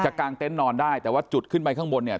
กลางเต็นต์นอนได้แต่ว่าจุดขึ้นไปข้างบนเนี่ย